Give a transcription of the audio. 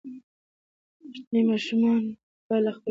پښتني ماشومان بايد له خپل کلتور سره بلد شي.